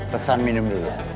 pesan minum dulu